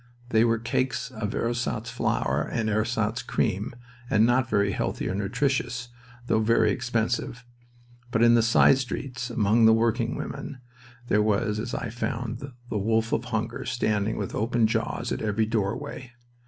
They were cakes of ersatz flour with ersatz cream, and not very healthy or nutritious, though very expensive. But in the side streets, among the working women, there was, as I found, the wolf of hunger standing with open jaws by every doorway.